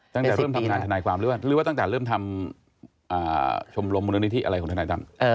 ตั้งแต่เริ่มทำงานทนายความหรือว่าหรือว่าตั้งแต่เริ่มทำชมรมมูลนิธิอะไรของทนายตั้ม